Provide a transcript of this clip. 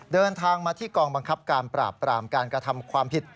เดินทางมาที่กองบังคับการปราบปรามการกระทำความผิด